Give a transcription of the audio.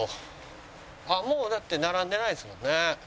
あっもうだって並んでないですもんね。